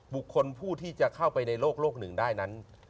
บุคคลผู้ที่จะเข้าไปในโลกหนึ่งได้นั้น